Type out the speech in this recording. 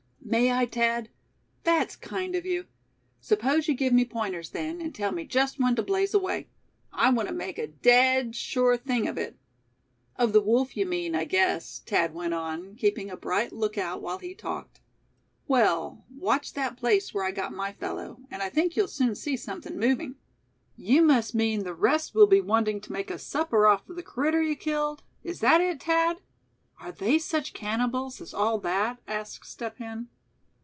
"May I, Thad? That's kind of you. Suppose you give me pointers, then, and tell me just when to blaze away. I want to make a dead sure thing of it." "Of the wolf, you mean, I guess," Thad went on, keeping a bright lookout while he talked. "Well, watch that place where I got my fellow, and I think you'll soon see something moving." "You must mean the rest will be wanting to make a supper off the critter you killed; is that it, Thad? Are they such cannibals as all that?" asked Step Hen.